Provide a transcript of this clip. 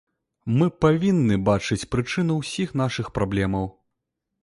Мы павінны бачыць прычыну ўсіх нашых праблемаў.